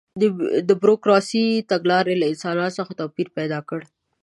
د بروکراسي تګلارې له انسانانو څخه توپیر پیدا کړ.